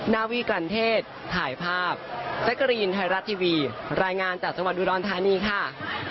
นาวีกลันเทศถ่ายภาพแจ๊กกะรีนไทยรัฐทีวีรายงานจากจังหวัดอุดรธานีค่ะ